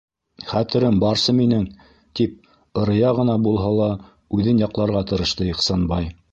Хәтерем барсы минең, - тип, ырыя ғына булһа ла үҙен яҡларға тырышты Ихсанбай.